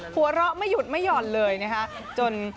หัวเราะไม่หยุดไม่หย่อนเลยนะคะ